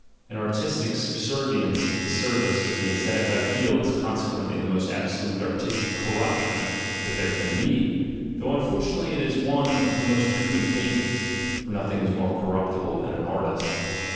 An artistic subservience to the service of the ascetic ideal is consequently the most absolute artistic corruption that there can be, though unfortunately it is one of the most frequent phases, for nothing is more corruptible than an artist.)